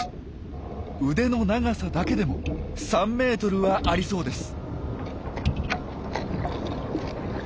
腕の長さだけでも３ｍはありそうです。